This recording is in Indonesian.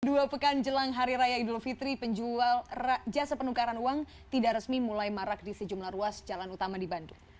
dua pekan jelang hari raya idul fitri penjual jasa penukaran uang tidak resmi mulai marak di sejumlah ruas jalan utama di bandung